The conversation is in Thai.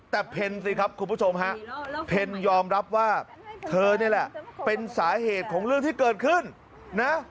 แต่เพ็ญสิครับคุณผู้ชมฮะเพนยอมรับว่าเธอนี่แหละเป็นสาเหตุของเรื่องที่เกิดขึ้นนะ